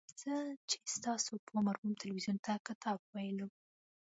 زه چې ستاسو په عمر وم تلویزیون ته کتاب ویلو.